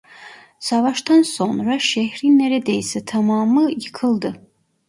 Savaştan sonra şehrin neredeyse tamamı yıkıldı.